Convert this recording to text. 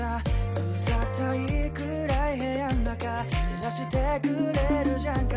「うざったいくらい部屋ん中照らしてくれるじゃんか夏」